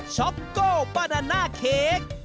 ช็อกโก้ปานาน่าเค้ก